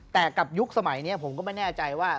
แต่กับยุคสมัยนี้ผมก็ไม่แน่ใจว่า